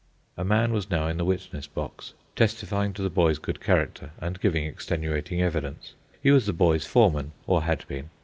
A man was now in the witness box, testifying to the boy's good character and giving extenuating evidence. He was the boy's foreman, or had been.